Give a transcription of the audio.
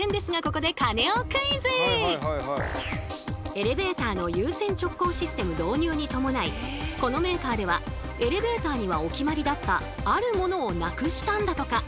エレベーターの優先直行システム導入に伴いこのメーカーではエレベーターにはお決まりだったあるものをなくしたんだとか。